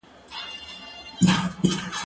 زه اوږده وخت د کتابتون د کار مرسته کوم.